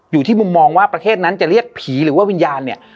อยู่ที่มุมมองว่าประเทศนั้นจะเรียกผีหรือว่าวิญญาณเนี่ย